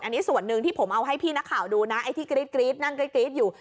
อันนี้ส่วนหนึ่งที่ผมเอาให้พี่นักข่าวดูนะไอ้ที่กรี๊ดนั่งกรี๊ดอยู่